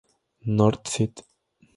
North St.